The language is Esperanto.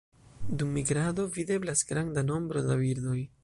Dum migrado videblas granda nombro da birdoj.